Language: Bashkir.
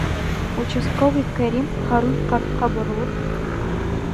Участковый Кәрим Һарун ҡартҡа боролоп: